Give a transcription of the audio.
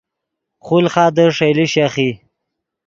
خولخادے ݰئیلے شیخ ای